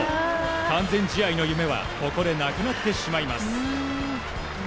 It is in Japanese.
完全試合の夢はここでなくなってしまいます。